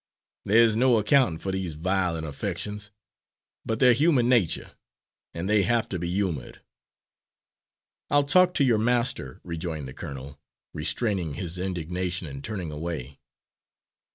There's no accountin' for these vi'lent affections, but they're human natur', and they have to be 'umoured." "I'll talk to your master," rejoined the colonel, restraining his indignation and turning away.